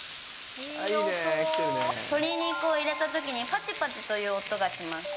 鶏肉を入れたときにぱちぱちという音がします。